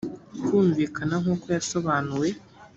kumvikana nk uko yasobanuwe